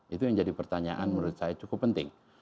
itu yang jadi pertanyaan menurut saya cukup penting